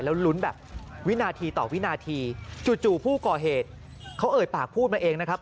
แล้วลุ้นแบบวินาทีต่อวินาทีจู่ผู้ก่อเหตุเขาเอ่ยปากพูดมาเองนะครับ